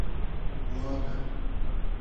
وا رۂ